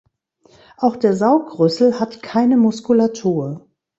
Auch der Saugrüssel hat keine Muskulatur.